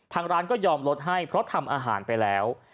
ทางร้านก็ยอมลดให้เพราะทำอาหารไปแล้ว